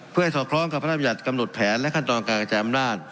เพื่อให้สอดคล้องกับพระราชบัญญัติกำหนดแผนและขั้นตอนการกระจายอำนาจ